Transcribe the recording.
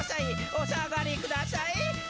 「お下がりくださいー」